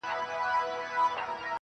o بيا به تاوان راکړې د زړگي گلي.